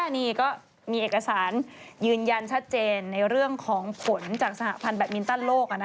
นี่ก็มีเอกสารยืนยันชัดเจนในเรื่องของผลจากสหพันธ์แบบมินตันโลก